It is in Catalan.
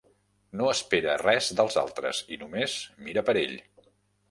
No espera res dels altres i només mira per ell.